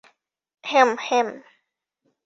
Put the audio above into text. হেম, হেম।